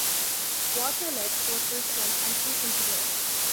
Vautelet was President and Chief Engineer.